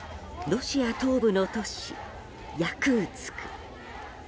ロシア東部の都市ヤクーツク。